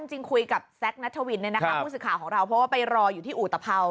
จริงคุยกับแซ็กนัทวินในคำพูดสิทธิ์ข่าวของเราเพราะว่าไปรออยู่ที่อุตพาว